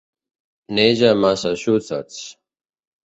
Neix a Massachusetts.